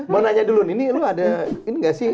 mau nanya dulu nih ini lo ada ini gak sih